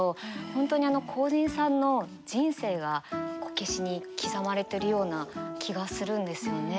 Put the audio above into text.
本当にあの工人さんの人生がこけしに刻まれてるような気がするんですよね。